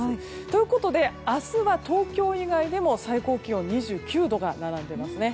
ということで明日は東京以外でも最高気温２９度が並んでいますね。